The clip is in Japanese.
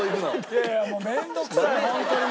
いやいやもう面倒くさいホントに。